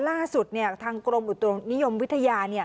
ล่าสุดทางกรมอุตุนิยมวิทยา